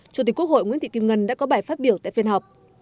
chủ tịch quốc hội nguyễn thị kim ngân đã có bài phát biểu tại phiên họp